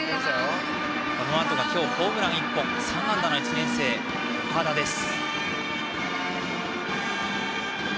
このあとがホームラン１本３安打の１年生、岡田です。